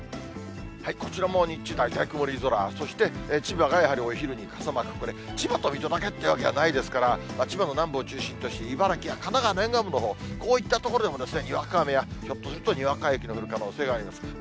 こちらも日中、大体、曇り空、そして千葉がやはりお昼に傘マーク、これ、千葉と水戸だけっていうわけではないですから、千葉の南部を中心として、茨城や神奈川の沿岸部のほう、こういった所でもですね、にわか雨やひょっとしたらにわか雪の降る可能性があります。